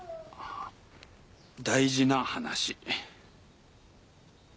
大事な話。